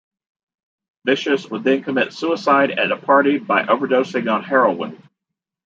Vicious would then commit suicide at a party by overdosing on heroin.